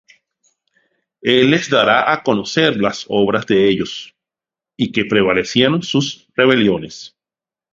El les dará á conocer la obra de ellos, Y que prevalecieron sus rebeliones.